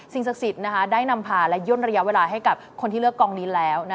ศักดิ์สิทธิ์ได้นำพาและย่นระยะเวลาให้กับคนที่เลือกกองนี้แล้ว